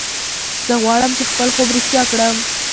زه غواړم چې خپل خوب رښتیا کړم